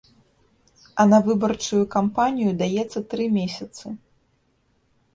А на выбарчую кампанію даецца тры месяцы.